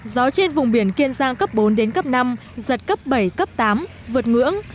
gió trên vùng biển kiên giang cấp bốn đến cấp năm giật cấp bảy cấp tám vượt ngưỡng